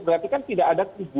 berarti kan tidak ada tujuh